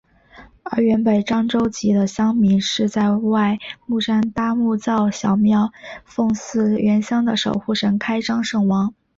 而原本漳州籍的乡民是在外木山搭木造小庙奉祀原乡的守护神开漳圣王。